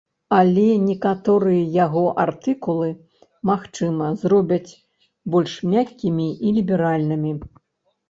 Але некаторыя яго артыкулы, магчыма, зробяць больш мяккімі і ліберальнымі.